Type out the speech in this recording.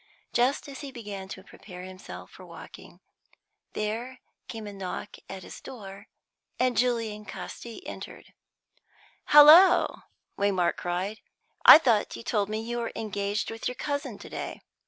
Just as he began to prepare himself for walking, there came a knock at his door, and Julian Casti entered. "Halloa!" Waymark cried. "I thought you told me you were engaged with your cousin to day."